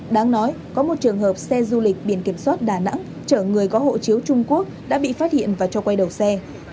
đáng nói có một trường hợp xe du lịch biển kiểm soát đà nẵng chở người có hộ chiếu trung quốc đã bị phát hiện và cho quay đầu xe